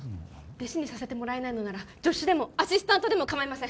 弟子にさせてもらえないのなら助手でもアシスタントでも構いません